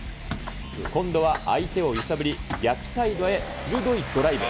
今度は相手を揺さぶり、逆サイドへ鋭いドライブ。